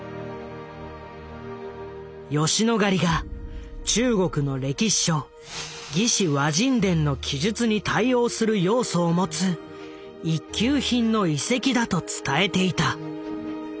吉野ヶ里が中国の歴史書「魏志倭人伝」の記述に対応する要素を持つ一級品の遺跡だと伝えていた。